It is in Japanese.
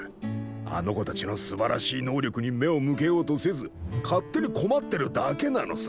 あの子たちのすばらしい能力に目を向けようとせず勝手に困ってるだけなのさ。